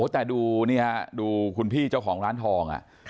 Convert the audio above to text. แต่ดูนี่ฮะดูคุณพี่เจ้าของร้านทอง